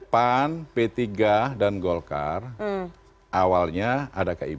pan p tiga dan golkar awalnya ada kib